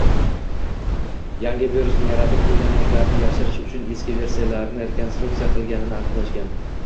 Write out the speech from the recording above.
yangi virusni yaratib qo‘yganliklarini yashirish uchun eskisi versiyalarni rekonstruksiya qilishganini aniqlashgan.